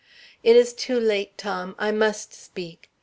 "It is too late, Tom, I must speak.